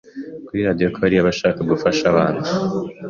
kuri radio ko hari abashaka gufasha abana